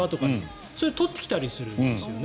それを取ってきたりするんですよね。